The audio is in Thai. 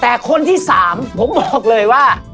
แต่คนที่๓ผมบอกเลยว่า